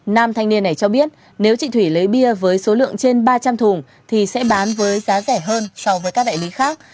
nam thanh niên này cho biết nếu chị thủy lấy bia với số lượng trên ba trăm linh thùng thì sẽ bán với giá rẻ hơn so với các đại lý khác